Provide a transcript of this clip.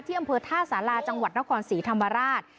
อำเภอท่าสาราจังหวัดนครศรีธรรมราช